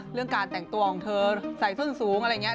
การแต่งตัวของเธอใส่ส้นสูงอะไรอย่างนี้